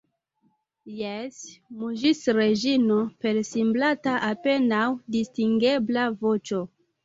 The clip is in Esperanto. Jes, muĝis Reĝino per siblanta apenaŭ distingebla voĉo.